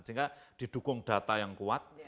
sehingga didukung data yang kuat